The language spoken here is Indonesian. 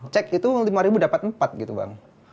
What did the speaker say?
cek itu lima ribu dapat empat gitu bang